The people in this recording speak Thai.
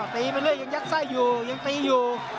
ตีไปเลยยังยักษ์ไส้อยู่ยังตีอยู่